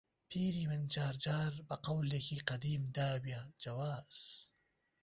پیری من جار جار بە قەولێکی قەدیم داویە جەواز